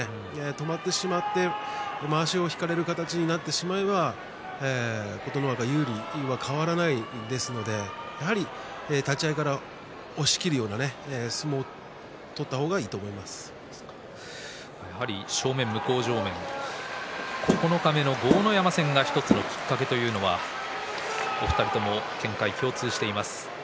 止まってしまってまわしを引かれる形になってしまえば琴ノ若有利は変わらないですのでやはり立ち合いから押し切るような正面、向正面九日目の豪ノ山戦が１つのきっかけというのはお二人とも見解が共通しています。